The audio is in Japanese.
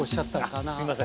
あすいません。